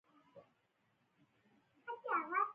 مرغۍ وزرې ووهلې؛ ولاړه.